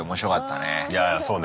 いやいやそうね。